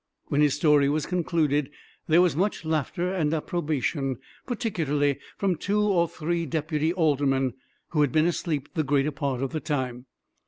When his story was concluded there was much laughter and approbation, particularly from two or three deputy aldermen, who had been asleep the greater part of the time.